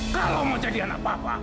kalau mau jadi anak papa